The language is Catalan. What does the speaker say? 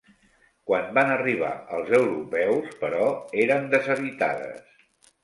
Quan van arribar els europeus, però, eren deshabitades.